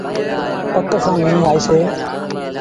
پڪ سآݩ ميݩهن آئيٚسي۔